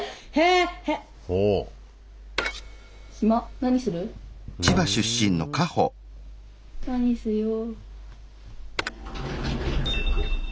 何しよう。